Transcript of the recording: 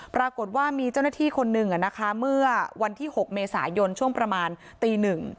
ปรากฏว่ามีเจ้าหน้าที่คนหนึ่งเมื่อวันที่๖เมษายนช่วงประมาณตีหนึ่ง